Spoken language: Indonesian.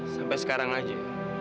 sampai sekarang aja